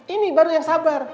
ini baru yang sabar